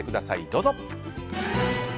どうぞ。